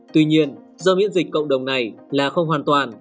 tuy nhiên do miễn dịch cộng đồng này là không hoàn toàn